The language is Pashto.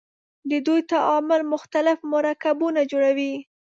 د دوی تعامل مختلف مرکبونه جوړوي.